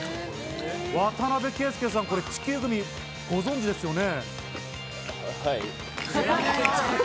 渡邊圭祐さん、地球グミ、ご存じですよね？